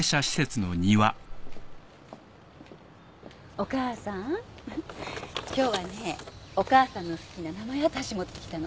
お母さん今日はねお母さんの好きな生八ツ橋持ってきたの。